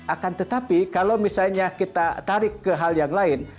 akan tetapi kalau misalnya kita tarik ke hal yang lain